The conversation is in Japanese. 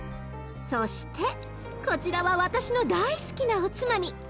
そしてこちらは私の大好きなおつまみ。